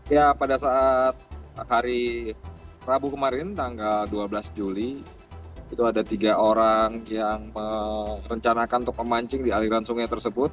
ya pada saat hari rabu kemarin tanggal dua belas juli itu ada tiga orang yang merencanakan untuk memancing di aliran sungai tersebut